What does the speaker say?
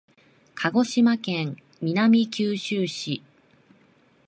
鹿児島県南九州市